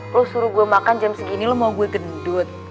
lo suruh gue makan jam segini lu mau gue gendut